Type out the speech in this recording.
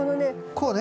こうね。